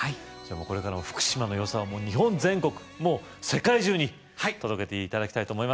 これからも福島のよさを日本全国もう世界中に届けて頂きたいと思います